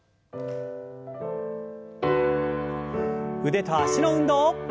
腕と脚の運動。